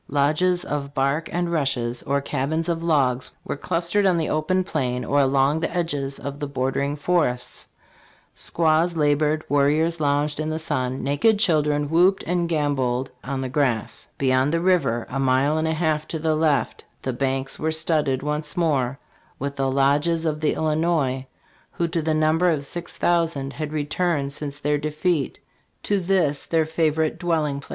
Lodges of bark and rushes, or cabins of logs, were clustered on the open plain or along the edges of the bordering forests Squaws labored, warriors lounged in the sun, naked children whooped and gamboled on the grass Beyond the river, a mile and a half to the left, the banks were studded once more with the lodges of the Illinois, who to the number of six thousand had returned since their defeat to this their favorite dwelling place.